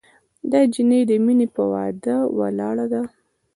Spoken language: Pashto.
دا جینۍ د مینې پهٔ وعدو ولاړه ده